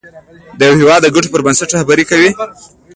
د یو هېواد د ګټو پر بنسټ رهبري کوي.